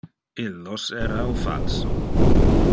Illos era un falso.